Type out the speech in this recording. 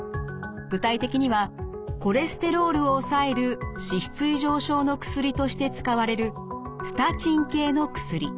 具体的にはコレステロールを抑える脂質異常症の薬として使われるスタチン系の薬。